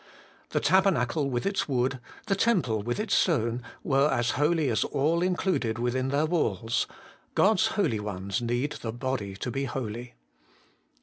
The tabernacle with its wood, the temple with its stone, were as holy as all included within their walls : God's holy ones need the body to be holy.